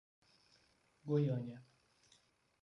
Goiânia